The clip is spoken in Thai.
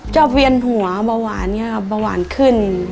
เจ้าเวียนหัวเบาหวานเบาหวานขึ้น